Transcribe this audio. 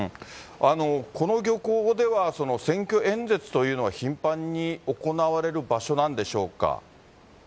この漁港では、選挙演説というのは頻繁に行われる場所なんでしょうか。